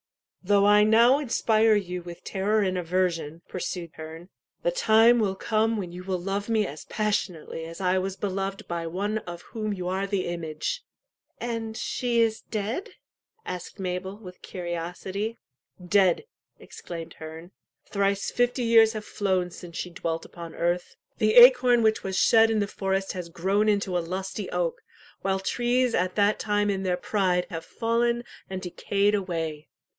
"Though I now inspire you with terror and aversion," pursued "the time will come when you will love me as passionately as I was beloved by one of whom you are the image." And she is dead? "asked Mabel, with curiosity. "Dead!" exclaimed Herne. "Thrice fifty years have flown since she dwelt upon earth. The acorn which was shed in the forest has grown into a lusty oak, while trees at that time in their pride have fallen and decayed away.